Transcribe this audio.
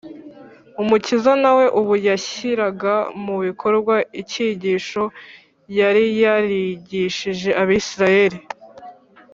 . Umukiza na we ubu yashyiraga mu bikorwa icyigisho yari yarigishije Abisiraheli